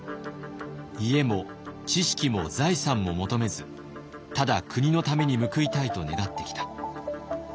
家も知識も財産も求めずただ国のために報いたいと願ってきた。